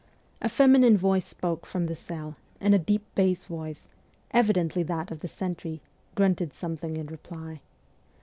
A feminine voice spoke from the cell, and a deep bass voice evidently that of the sentry grunted something in reply.